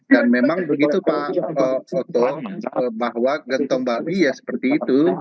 dan memang begitu pak otto bahwa gentong babi ya seperti itu